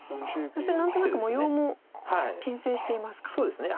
そして何となく模様もけん制していますか。